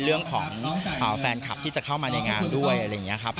เรื่องของแฟนคลับที่จะเข้ามาในงานด้วยอะไรอย่างนี้ครับ